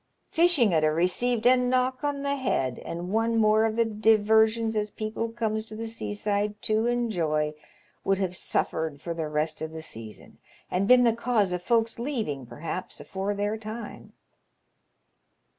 Fishing 'ud ha' received a knock on the head, and one more of the deversions as people comes to the seaside to enjoy would have suffered for the rest of the season, and been the cause of folks leaving, perhaps, afore their time."